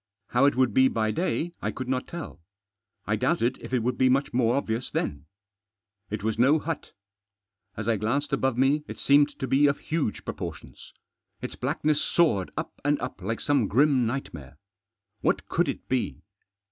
How it would be by day I could not tell. I doubted if it would be much more obvious then It was no hut As I glanced above me it seemed to be of huge proportions. Its blackness soared up and up like some grim nightmare. What could it be